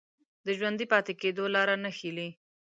د ژوندي پاتې کېدو لاره نه ښييلې